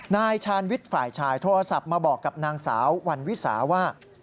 นายชาญวิทย์ฝ่ายชายโทรศัพท์มาบอกกับนางสาววันวิสาว่า